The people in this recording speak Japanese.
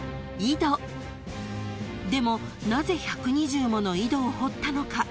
［でもなぜ１２０もの井戸を掘ったのか？］